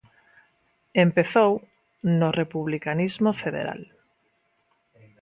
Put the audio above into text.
Empezou no republicanismo federal.